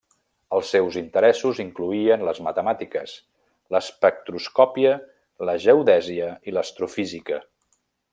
Els seus interessos incloïen les matemàtiques, l'espectroscòpia, la geodèsia i l'astrofísica.